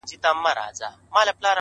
بې وسي!!